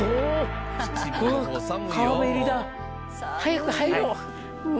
早く入ろう！